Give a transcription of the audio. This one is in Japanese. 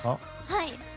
はい。